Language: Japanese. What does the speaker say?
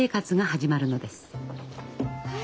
はい。